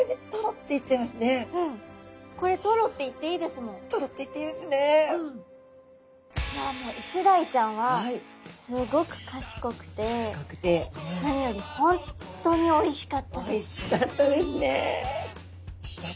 もうイシダイちゃんはすごく賢くて何より本当においしかったです！